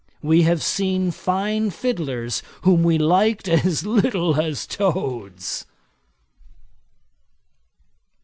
We have seen fine fiddlers whom we liked as little as toads.'